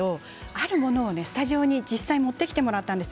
あるものをスタジオに実際持ってきてもらったんです。